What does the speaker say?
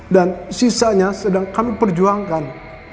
dan sisanya sedang kami perjuangkan